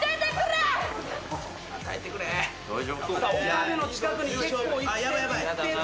岡部の近くに結構行ってる行ってる。